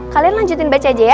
kalian lanjutin baca aja ya